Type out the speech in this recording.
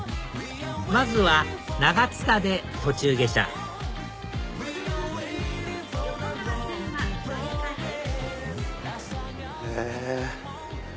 まずは長津田で途中下車へぇ。